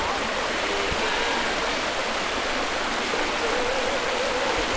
ゆれるは。